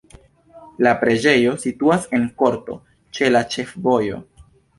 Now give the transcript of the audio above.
La preĝejo situas en korto ĉe la ĉefvojo.